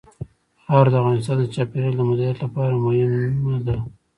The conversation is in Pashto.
خاوره د افغانستان د چاپیریال د مدیریت لپاره مهم دي.